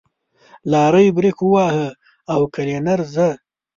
لارۍ برېک وواهه او کلينر زه.